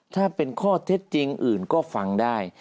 ถ้าเป็นข้อเท็จจริงอื่นก็ฟังได้